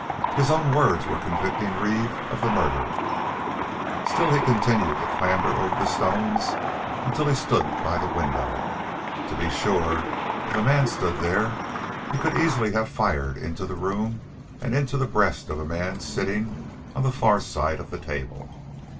His own words were convicting Reeve of the murder! Still he continued to clamber over the stones until he stood by the window. To be sure, if a man stood there, he could easily have fired into the room and into the breast of a man sitting on the far side of the table.